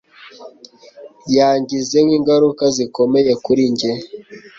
Yangizeho ingaruka zikomeye kuri njye